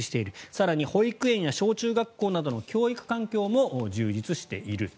更に保育園や小中学校などの教育環境も充実している。